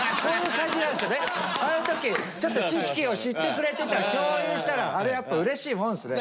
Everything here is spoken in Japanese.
ちょっと知識を知ってくれてたら共有したらあれやっぱうれしいもんですね。